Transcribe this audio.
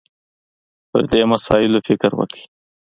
پر دې مسایلو فکر وکړي